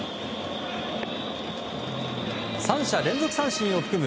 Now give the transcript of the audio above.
３者連続三振を含む